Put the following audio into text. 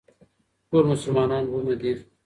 ټول مسلمانان وروڼه دي.